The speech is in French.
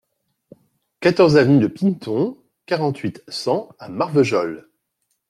quatorze avenue de Pineton, quarante-huit, cent à Marvejols